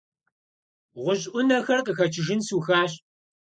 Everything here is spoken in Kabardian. ГъущӀ Ӏунэхэр къыхэчыжын сухащ.